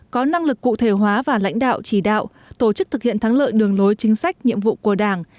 có năng lực cụ thể hóa và lãnh đạo chỉ đạo tổ chức thực hiện thắng lợi đường lối chính sách nhiệm vụ của đảng